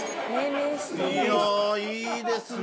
いやいいですね。